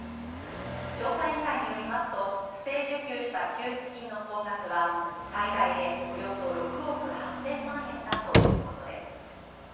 調査委員会によりますと、不正受給した給付金の総額は最大でおよそ６億８０００万円だということです。